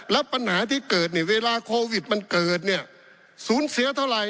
แล้วปัญหาที่เกิดเนี่ยเวลาโควิดมันเกิดเนี่ยสูญเสียเท่าไหร่